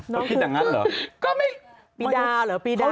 เขาคิดดังนั้นเหรอปีดาเหรอปีดาเหรอ